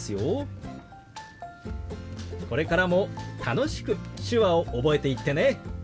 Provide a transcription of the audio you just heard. これからも楽しく手話を覚えていってね。